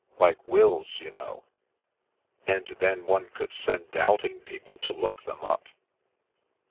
Like wills, you know. And then one could send doubt ing people to look them up."